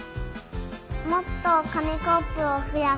もっとかみコップをふやす。